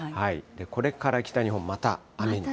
これから北日本、また雨に。